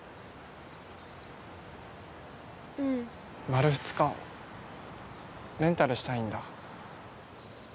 丸２日レンタルしたいんだ。